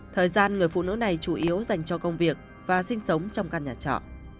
thời gian người phụ nữ này chủ yếu dành cho công việc và sinh sống trong căn nhà trọ